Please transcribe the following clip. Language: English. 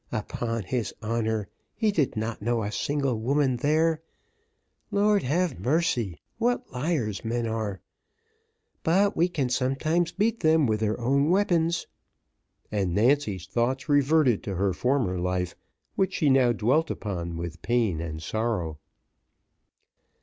Upon his honour, he did not know a single woman there: Lord have mercy! what liars men are but we can sometimes beat them with their own weapons." And Nancy's thoughts reverted to her former life, which she now dwelt upon with pain and sorrow.